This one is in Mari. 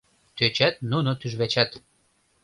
Тӧчат нуно тӱжвачат